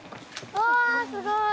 うわすごい。